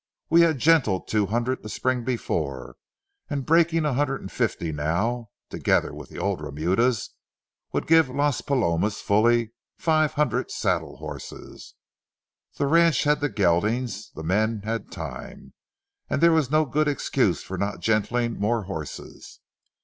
We had gentled two hundred the spring before, and breaking a hundred and fifty now, together with the old remudas, would give Las Palomas fully five hundred saddle horses. The ranch had the geldings, the men had time, and there was no good excuse for not gentling more horses.